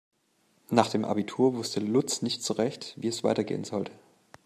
Nach dem Abitur wusste Lutz nicht so recht, wie es weitergehen sollte.